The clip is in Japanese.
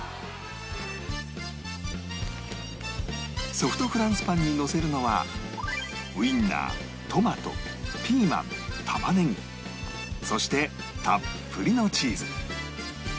ソフトフランスパンにのせるのはウインナートマトピーマン玉ねぎそしてたっぷりのチーズ